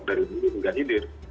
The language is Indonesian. dari dulu hingga hidup